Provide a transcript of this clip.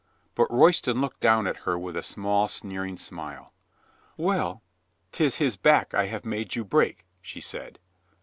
But Royston looked down at her with a small, sneering smile. "Well. *Tis his back I have made you break," she said.